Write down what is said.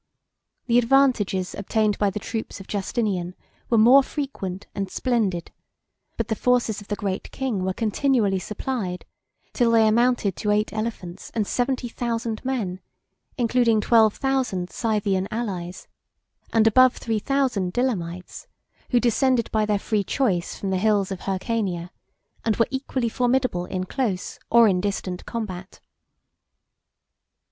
The advantages obtained by the troops of Justinian were more frequent and splendid; but the forces of the great king were continually supplied, till they amounted to eight elephants and seventy thousand men, including twelve thousand Scythian allies, and above three thousand Dilemites, who descended by their free choice from the hills of Hyrcania, and were equally formidable in close or in distant combat.